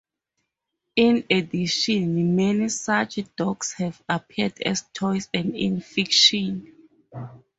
In addition, many such "dogs" have appeared as toys and in fiction.